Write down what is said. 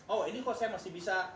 oh ini kok saya masih bisa